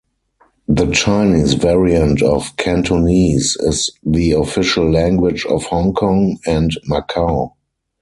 The Chinese variant of Cantonese is the official language of Hong Kong, and Macau.